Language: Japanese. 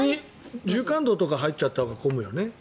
逆に縦貫道とかには行っちゃったほうが混むよね。